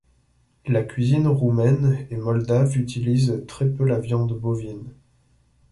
La cuisine roumaine et moldave utilise très peu la viande bovine.